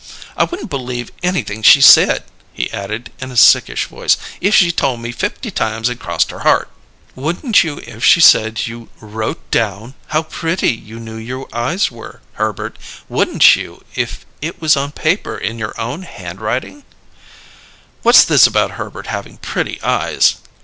"I wouldn't believe anything she said," he added, in a sickish voice, "if she told me fifty times and crossed her heart!" "Wouldn't you if she said you wrote down how pretty you knew your eyes were, Herbert? Wouldn't you if it was on paper in your own handwriting?" "What's this about Herbert having 'pretty eyes'?"